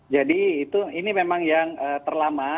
jadi ini memang yang terlama